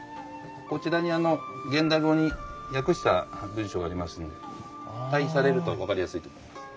こちらに現代語に訳した文章がありますんで対比されると分かりやすいと思います。